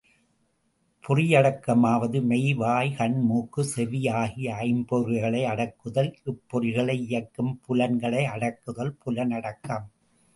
பொறியடக்கமாவது மெய், வாய், கண், மூக்கு, செவி ஆகிய ஐம்பொறிகளையடக்குதல் இப்பொறிகளை இயக்கும் புலன்களை அடக்குதல் புலனடக்கம்.